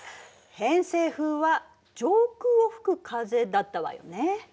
偏西風は上空を吹く風だったわよね。